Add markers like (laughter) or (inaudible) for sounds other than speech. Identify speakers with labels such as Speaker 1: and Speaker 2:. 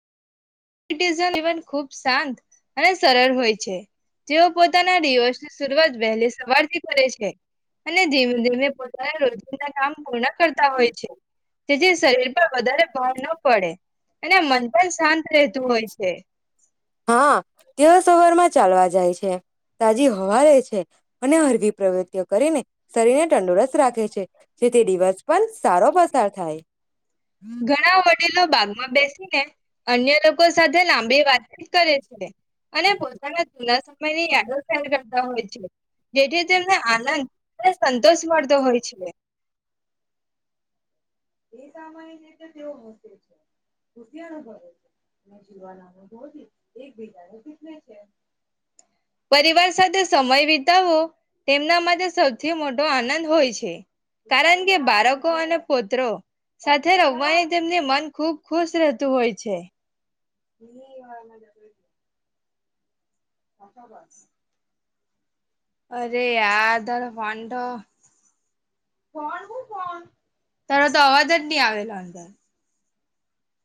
Speaker 1: It is a even ખૂબ શાંત અને સરળ હોય છે જેઓ પોતાના દિવસની શરૂઆત વહેલી સવારથી કરે છે અને ધીમે ધીમે પોતાના રોજિંદા કામ પૂર્ણ કરતા હોય છે જેથી શરીર પર વધારે બાર ના પડે અને મનથન શાંત
Speaker 2: હા. તેઓ સવારમાં ચાલવા જાય છે. તાજી હવા લે છે. અને હળવી પ્રવૃત્તિઓ કરીને શરીરને તંદુરસ્ત રાખે છે જેથી દિવસ પણ સારો પસાર થાય.
Speaker 1: ઘણા વડીલો બાગમાં બેસીને અન્ય લોકો સાથે લાંબી વાતી કરે છે.
Speaker 2: અને પોતાના જુના સમયની યાદો (unintelligible) કરતા હોય છે જેથી તેમને આનંદ અને સંતોષ પડતો હોય છે.
Speaker 1: પરિવાર સાથે સમય વિતાવો તેમના માટે સૌથી મોટો આનંદ હોય છે કારણ કે બાળકો અને પોત્રો સાથે રમવાની તેમને મન ખુબ ખુશ રહેતું હોય છે. (unintelligible) (inaudible) અરે યાર તારો ફોન તો, ફોન હું ફોન, તારો તો અવાજ જ નહી આવેલો અંદર